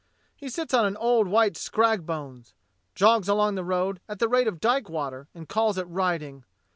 He sits on an old white scrag bones, jogs along the road at the rate of dyke water, and calls it riding.